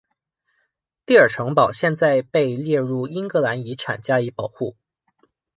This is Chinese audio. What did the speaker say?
迪尔城堡现在被列入英格兰遗产加以保护。